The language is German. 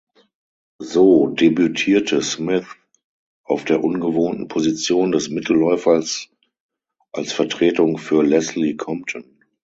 So debütierte Smith auf der ungewohnten Position des Mittelläufers als Vertretung für Leslie Compton.